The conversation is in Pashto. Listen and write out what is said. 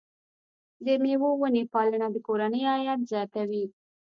د مېوو ونې پالنه د کورنۍ عاید زیاتوي.